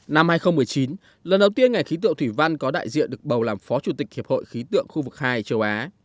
năm hai nghìn một mươi chín lần đầu tiên ngày khí tượng thủy văn có đại diện được bầu làm phó chủ tịch hiệp hội khí tượng khu vực hai châu á